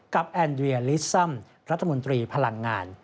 แอนเรียลิสซัมรัฐมนตรีพลังงาน